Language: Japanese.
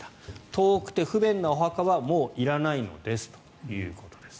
遠くて不便なお墓はもういらないのですということです。